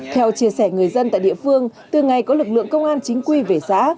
theo chia sẻ người dân tại địa phương từ ngày có lực lượng công an chính quy về xã